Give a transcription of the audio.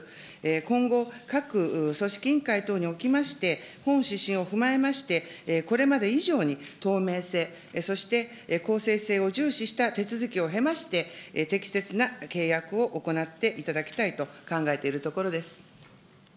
今後、各組織委員会等におきまして、本指針を踏まえまして、これまで以上に透明性、そして公正性を重視した手続きを経まして、適切な契約を行っていただきたいと考えているところです。